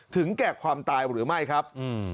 ถึงแก่ความตายหรือไม่ครับ